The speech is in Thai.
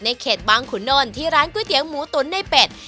เขตบางขุนนท์ที่ร้านก๋วยเตี๋ยวหมูตุ๋นในเป็ด